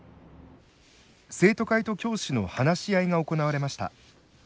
生徒会と教師の話し合いが行われました。